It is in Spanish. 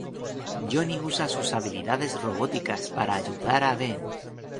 Johnny usa sus habilidades robóticas para ayudar a Ben.